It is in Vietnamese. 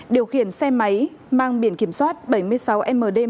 điều khiển xe máy mang biển kiểm soát bảy mươi sáu md một trăm linh nghìn chín trăm bảy mươi